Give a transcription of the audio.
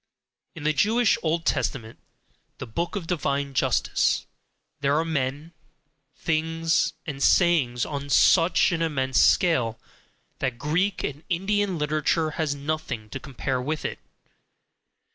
In the Jewish "Old Testament," the book of divine justice, there are men, things, and sayings on such an immense scale, that Greek and Indian literature has nothing to compare with it.